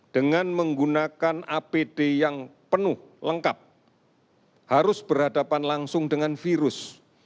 dengan menggunakan apd yang penuh lengkap harus berhadapan langsung dengan virus